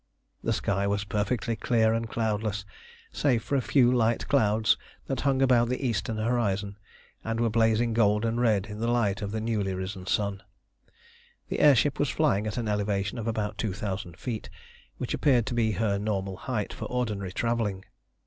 The sky was perfectly clear and cloudless, save for a few light clouds that hung about the eastern horizon, and were blazing gold and red in the light of the newly risen sun. The air ship was flying at an elevation of about two thousand feet, which appeared to be her normal height for ordinary travelling.